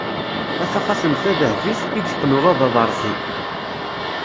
A taxatemt tadehbit, i yeqqen uḍad aḍeṛfi!